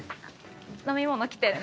飲み物来てる。